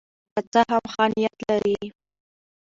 که څه هم ښه نیت لري.